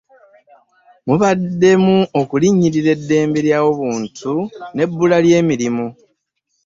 Mubaddemu okulinnyirira eddembe ly'obuntu n'ebbula ly'emirimu.